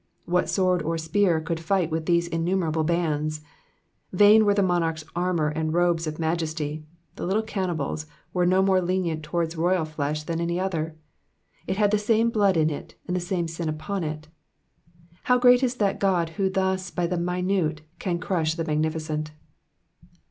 What sword or spear could fight with these innumerable bands? Vain were the monarch's armour and robes of mdjt'siy, the little cannibals were no more lenient towards royal flesh than any oiher ; it had the same blood in it, and the same sin upon it. How great is that God who thus by the minute can crush the magnificent.